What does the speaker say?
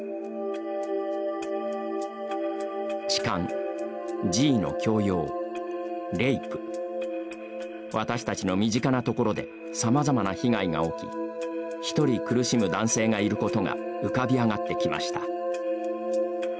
痴漢、自慰の強要、レイプ私たちの身近なところでさまざまな被害が起きひとり苦しむ男性がいることが浮かび上がってきました。